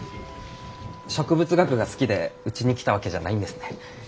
植物学が好きでうちに来たわけじゃないんですね。